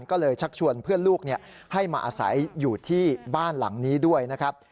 ก็เลยชักชวนเพื่อนลูกให้มาอาศัยอยู่ที่บ้านหลังนี้ด้วยนะครับ